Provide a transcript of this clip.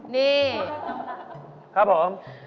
นี่ครับผม